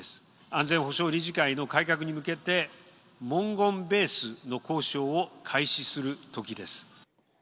安全保障理事会の改革に向けて、文言ベースの交渉を開始するときです。